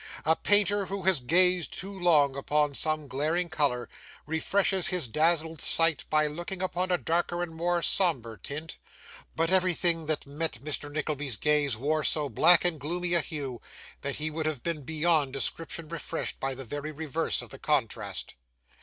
A painter who has gazed too long upon some glaring colour, refreshes his dazzled sight by looking upon a darker and more sombre tint; but everything that met Mr. Nickleby's gaze wore so black and gloomy a hue, that he would have been beyond description refreshed by the very reverse of the contrast.